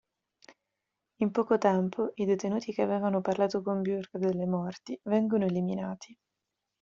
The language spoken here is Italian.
In poco tempo i detenuti che avevano parlato con Burke delle morti vengono eliminati.